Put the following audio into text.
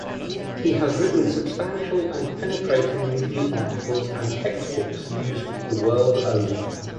He has written substantial and penetrating review articles, and text-books used the world over.